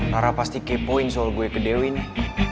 tara pasti kepoin soal gue ke dewi nih